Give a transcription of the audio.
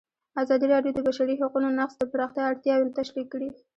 ازادي راډیو د د بشري حقونو نقض د پراختیا اړتیاوې تشریح کړي.